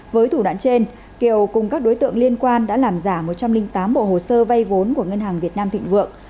với thủ đoạn trên kiều cùng các đối tượng liên quan đã làm giả một trăm linh tám bộ hồ sơ vay vốn của ngân hàng việt nam thịnh vượng